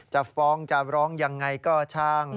จะฟ้องจะร้องยังไงก็ช่าง